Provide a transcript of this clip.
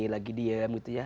lagi diam gitu ya